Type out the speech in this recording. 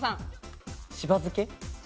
しば漬け。